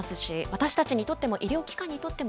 私たちにとっても、医療機関にとって